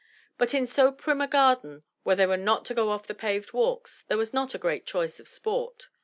But in so prim a garden where they were not to go off the paved walks, there was not a great choice of sport.